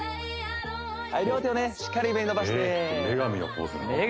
はい両手をしっかり上に伸ばしてへえ